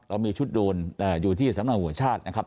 เรามีชุดโดนอยู่ที่สำนักหัวชาตินะครับ